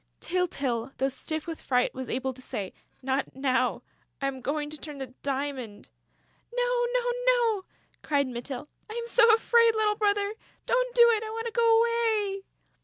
Tyltyl, though stiff with fright, was able to say: "Not now.... I am going to turn the diamond...." "No, no, no!" cried Mytyl. "I am so frightened, little brother!... Don't do it!... I want to go away!..."